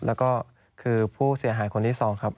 แล้วก็คือผู้เสียหายคนที่๒ครับ